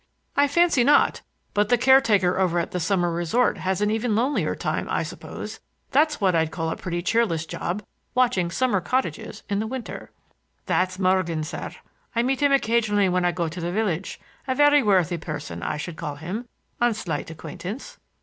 "I fancy not. But the caretaker over at the summer resort has even a lonelier time, I suppose. That's what I'd call a pretty cheerless job,—watching summer cottages in the winter." "That's Morgan, sir. I meet him occasionally when I go to the village; a very worthy person, I should call him, on slight acquaintance."